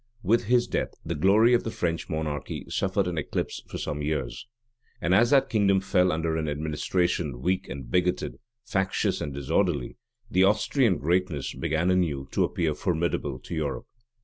With his death, the glory of the French monarchy suffered an eclipse for some years; and as that kingdom fell under an administration weak and bigoted, factious and disorderly, the Austrian greatness began anew to appear formidable to Europe.